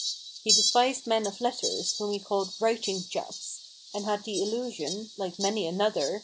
He despised men of letters, whom he called "writing chaps," and had the illusion (like many another